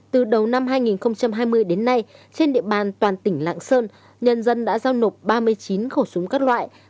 từ đầu năm hai nghìn hai mươi đến nay trên địa bàn toàn tỉnh lạng sơn nhân dân đã giao nộp ba mươi chín khẩu súng các loại